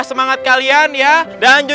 semangat kalian ya dan